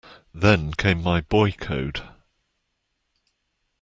Then came my boy code.